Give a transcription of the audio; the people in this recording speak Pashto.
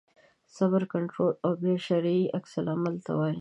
صبر کنټرول او بیا شرعي عکس العمل ته وایي.